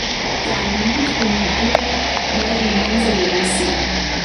تعلیمي خنډونه باید له منځه یوړل سي.